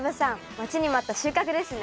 待ちに待った収穫ですね。